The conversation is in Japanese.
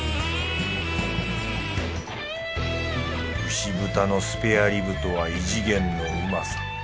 牛豚のスペアリブとは異次元のうまさ。